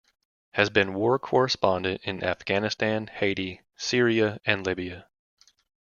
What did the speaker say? Has been war correspondent in Afghanistan, Haiti, Siria and Libya.